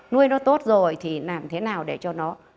nuôi nó tốt rồi thì làm thế nào để cho nó